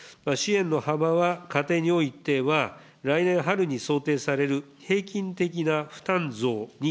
支援の幅はかていにおいては来年春に想定される平均的な負担増に